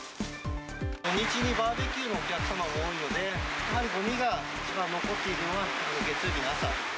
土日にバーベキューのお客様が多いので、やはりごみが一番残っているのが、月曜日の朝。